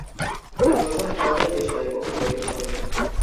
প্রথম খেলাতেই বেশ ব্যয়বহুল বোলিং করেন।